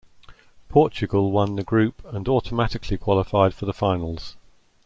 Portugal won the group and automatically qualified for the finals.